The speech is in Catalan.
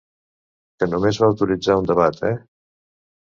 Que només va autoritzar un debat, eh!